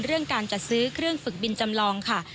เรื่องการจัดซื้อเครื่องฝึกบินจำลองค่ะ